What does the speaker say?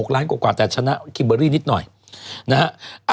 ล้านกว่าแต่ชนะคิมเบอร์รี่นิดหน่อยนะฮะ